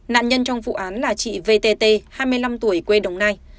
nạn nhân trong vụ án là chị vtt hai mươi năm tuổi quê đồng nai